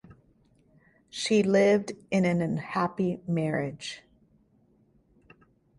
She lived in an unhappy marriage.